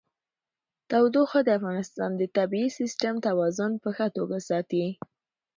تودوخه د افغانستان د طبعي سیسټم توازن په ښه توګه ساتي.